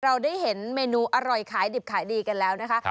เราได้เห็นเมนูอร่อยขายดิบขายดีกันแล้วนะคะ